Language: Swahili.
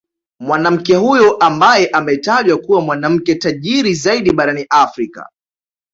Mwanamke huyo ambaye ametajwa kuwa mwanamke tajiri zaidi barani Afrika